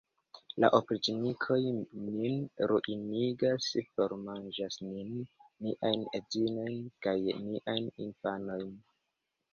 La opriĉnikoj nin ruinigas, formanĝas nin, niajn edzinojn kaj niajn infanojn!